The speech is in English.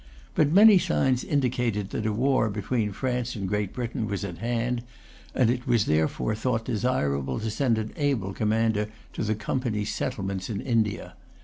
But many signs indicated that a war between France and Great Britain was at hand; and it was therefore thought desirable to send an able commander to the Company's settlements in India.